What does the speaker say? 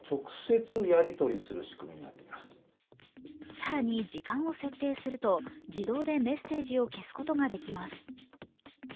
更に時間を設定すると自動でメッセージを消すことができます。